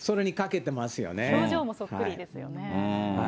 表情もそっくりですよね。